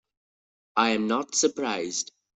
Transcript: I am not surprised.